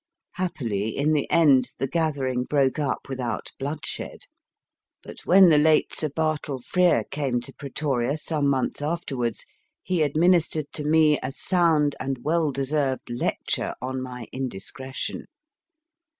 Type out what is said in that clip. Happily, in the end, the gathering broke up without bloodshed, but when the late Sir Bartle Frere came to Pretoria, some months afterwards, he administered to me a sound and well deserved lecture on my indiscretion.